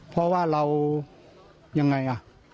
เพราะว่าเรายังไงอ่ะ